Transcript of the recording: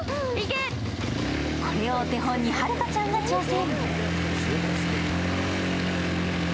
これをお手本に遥ちゃんが挑戦。